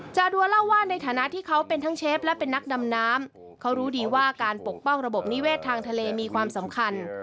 จาดัวเล่าว่าในฐานะที่เขาเป็นทั้งเชฟและเป็นนักดำน้ำเขารู้ดีว่าการปกป้องระบบนิเวศทางทะเลมีความสำคัญ